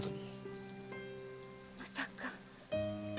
まさか。